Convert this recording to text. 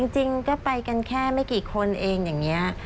จริงก็ไปกันแค่ไม่กี่คนเองอย่างนี้